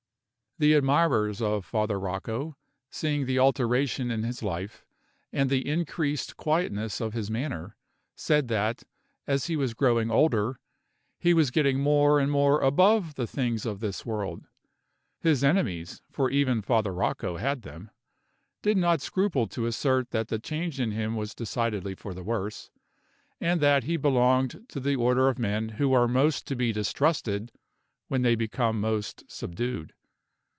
The admirers of Father Rocco, seeing the alteration in his life, and the increased quietness of his manner, said that, as he was growing older, he was getting more and more above the things of this world. His enemies (for even Father Rocco had them) did not scruple to assert that the change in him was decidedly for the worse, and that he belonged to the order of men who are most to be distrusted when they become most subdued.